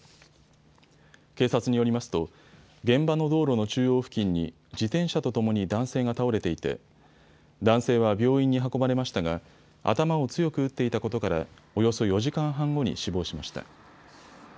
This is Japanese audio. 警察によりますと現場の道路の中央付近に自転車とともに男性が倒れていて男性は病院に運ばれましたが頭を強く打っていたことからおよそ４時間半後に死亡しました。